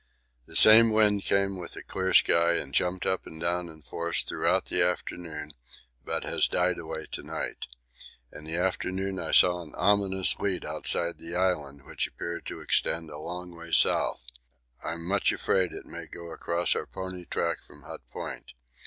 This same wind came with a clear sky and jumped up and down in force throughout the afternoon, but has died away to night. In the afternoon I saw an ominous lead outside the Island which appeared to extend a long way south. I'm much afraid it may go across our pony track from Hut Point.